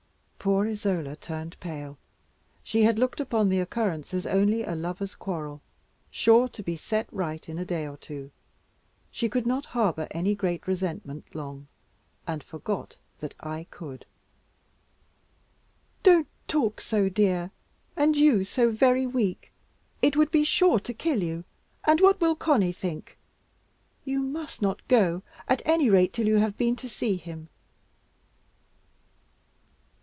Poor Isola turned pale; she had looked upon the occurrence as only a lover's quarrel, sure to be set right in a day or two. She could not harbour any great resentment long, and forgot that I could. "Don't talk so, dear; and you so very weak! it would be sure to kill you. And what will Conny think? You must not go, at any rate, till you have been to see him."